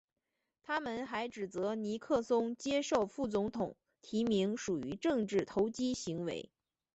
他们还指责尼克松接受副总统提名属于政治投机行为。